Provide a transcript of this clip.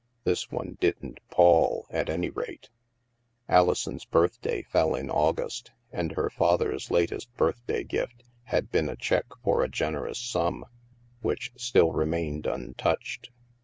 This one didn't pall, at any rate. Alison's birthday fell in August, and her father's latest birthday gift had been a cheque for a gen erous sum, which still remained untouched.